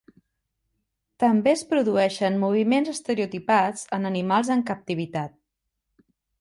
També es produeixen moviments estereotipats en animals en captivitat.